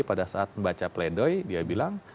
pada saat membaca pledoi dia bilang